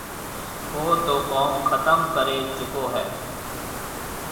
او تو ڪوم ختم ڪريَ چڪو هيَ۔